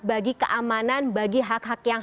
bagi keamanan bagi hak hak yang